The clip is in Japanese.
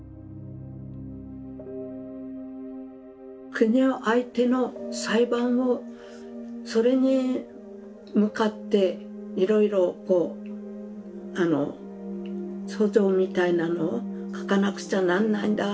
国を相手の裁判をそれに向かっていろいろこうあの訴状みたいなのを書かなくちゃなんないんだって。